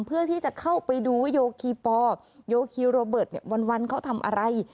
เพื่อที่จะเข้าไปดูว่าโยคีปอลโยคีโรเบิร์ตวันเขาทำอะไร